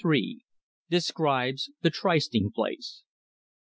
DESCRIBES THE TRYSTING PLACE.